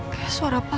kayak suara papa